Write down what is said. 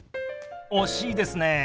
惜しいですね。